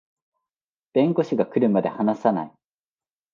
弁護士が来るまで話さない